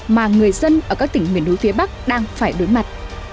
mà người dân ở các tỉnh miền núi phía bắc đang phải đối mặt